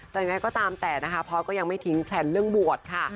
แต่ยังไงก็ตามแต่นะคะพอร์ตก็ยังไม่ทิ้งแพลนเรื่องบวชค่ะ